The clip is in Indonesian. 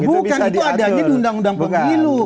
bukan itu ada aja di undang undang pemilu